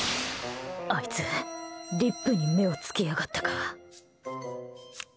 あいつリップに目をつけやがったか。